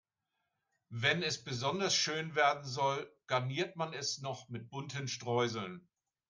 Wenn es besonders schön werden soll, garniert man es noch mit bunten Streuseln.